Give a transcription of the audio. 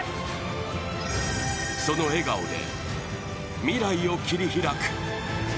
その笑顔で、未来を切り開く。